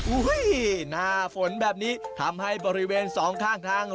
หน้าฝนแบบนี้ทำให้บริเวณสองข้างทาง